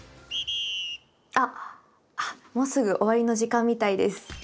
あっもうすぐ終わりの時間みたいです。